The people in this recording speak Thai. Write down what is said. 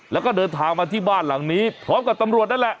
แล้วก็เดินทางมาที่บ้านหลังนี้พร้อมกับตำรวจนั่นแหละ